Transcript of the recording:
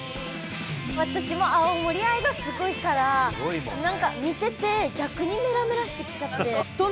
私も青森愛がすごいから何か見てて逆にメラメラしてきちゃって。